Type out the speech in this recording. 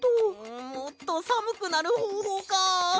もっとさむくなるほうほうか。